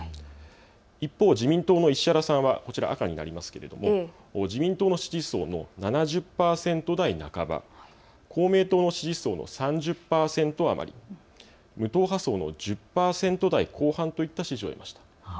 一方、自民党の石原さんは赤になりますけれども自民党の支持層の７０％台半ば、公明党の支持層の３０％余り、無党派層の１０％台後半といった支持を得ました。